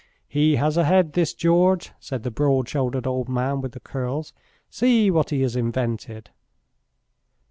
"He has a head, this George," said the broad shouldered old man with the curls. "See what he has invented."